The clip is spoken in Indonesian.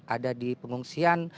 ada di pengungsian